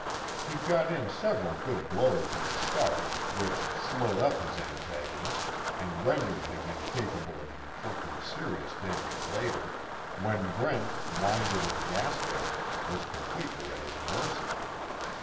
He got in several good blows at the start, which slowed up his antagonist, and rendered him incapable of inflicting serious damage later, when Brent winded and gasping, was completely at his mercy.